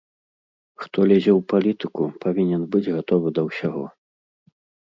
Хто лезе ў палітыку, павінен быць гатовы да ўсяго.